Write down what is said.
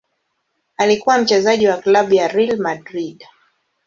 Alikuwa mchezaji wa klabu ya Real Madrid.